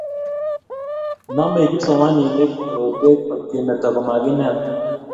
namei kipsomaninik korotwek otkemeto komakinat